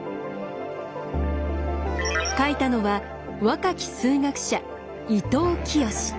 書いたのは若き数学者伊藤清。